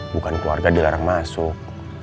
bukan keluarga dilarang masuk